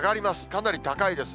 かなり高いです。